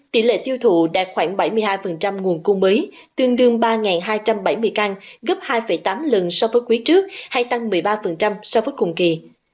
tỷ lệ tiêu thụ đạt khoảng bảy mươi hai nguồn cung mới tương đương ba hai trăm bảy mươi căn gấp hai tám lần so với quý trước hay tăng một mươi ba so với cùng kỳ